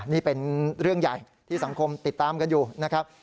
นี่เป็นเรื่องใหญ่ที่สังคมติดตามกันอยู่นะครับ